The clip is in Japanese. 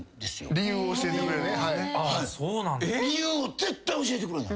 理由絶対教えてくれない。